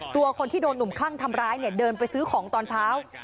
ตัวคนที่โดนหนุ่มคลั่งทำร้ายเนี่ยเดินไปซื้อของตอนเช้า